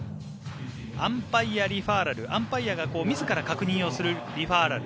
アンパイアリファーラルというアンパイアが自ら確認をするリファーラル。